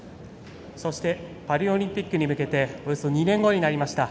そしてパリオリンピックに向けておよそ２年後になりました。